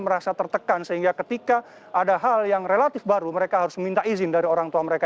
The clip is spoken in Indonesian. merasa tertekan sehingga ketika ada hal yang relatif baru mereka harus meminta izin dari orang tua mereka